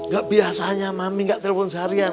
gak biasanya mami gak telpon seharian